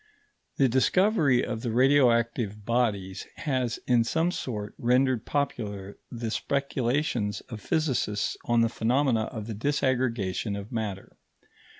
The discovery of the radioactive bodies has, in some sort, rendered popular the speculations of physicists on the phenomena of the disaggregation of matter.